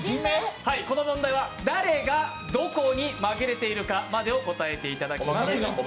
この問題は誰がどこに紛れているかまでを答えていただきます。